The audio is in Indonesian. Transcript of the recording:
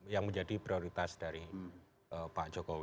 yang menjadi prioritas dari pak jokowi